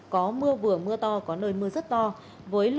có mưa vừa mưa to có nơi mưa rất to